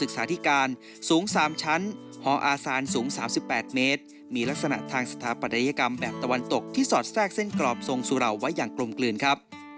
โดยสถาปนิกสองสึกศาฐิกาสูงสามชั้นหออาศาลสูงสามสิบแปดเมตร